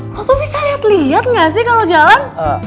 lo tuh bisa liat liat gak sih kalo jalan